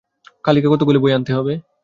কালীকে কতকগুলি বই আনতে হবে।